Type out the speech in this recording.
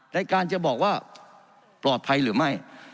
ในการจะบอกว่าปลอดภัยหรือไม่